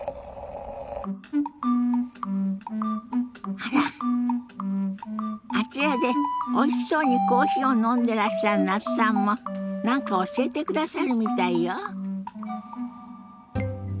あらあちらでおいしそうにコーヒーを飲んでらっしゃる那須さんも何か教えてくださるみたいよ。